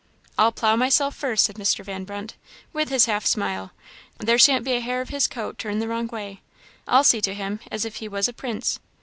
"I'll plough myself first," said Mr. Van Brunt, with his half smile; "there shan't be a hair of his coat turned the wrong way. I'll see to him as if he was a prince."